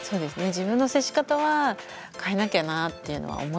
自分の接し方は変えなきゃなというのは思いました。